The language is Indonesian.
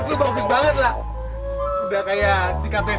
enak enak sadar sadar